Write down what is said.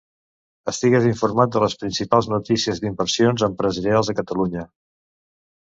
Estigues informat de les principals notícies d'inversions empresarials a Catalunya.